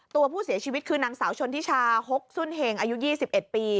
ตัวผู้เสียชีวิตคือนางสาวชนทิชาฮกสุนเหงอายุ๒๑ปี